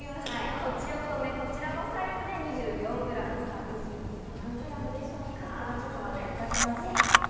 とちおとめ、こちらのサイズで２４グラム、美人姫は何グラムでしょうか？